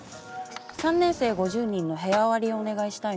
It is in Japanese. ３年生５０人の部屋割りをお願いしたいの。